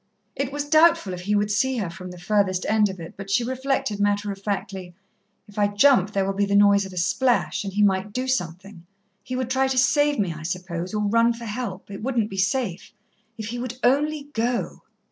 It was doubtful if he would see her from the furthest end of it, but she reflected matter of factly: "If I jump there will be the noise of a splash and he might do something he would try to save me, I suppose or run for help. It wouldn't be safe. If he would only go."